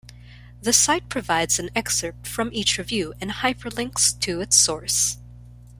The site provides an excerpt from each review and hyperlinks to its source.